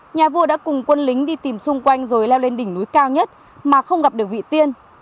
nhà vua đã cùng quân lính đi tìm xung quanh rồi leo lên đỉnh núi cao nhất mà không gặp được vị tiên